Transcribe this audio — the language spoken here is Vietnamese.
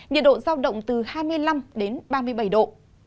nhiệt độ giao động từ hai mươi năm đến ba mươi bảy độ